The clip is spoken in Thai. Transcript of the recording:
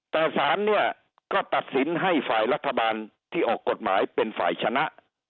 แต่สารเนี่ยก็ตัดสินให้ฝ่ายรัฐบาลที่ออกกฎหมายเป็นฝ่ายชนะ